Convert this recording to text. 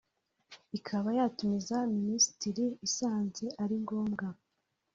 ikaba yatumiza Minisitiri isanze ari ngombwa